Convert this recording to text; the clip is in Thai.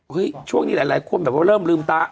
ช่วงนี้หลายคนแบบว่าเริ่มลืมตา